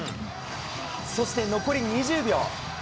そして残り２０秒。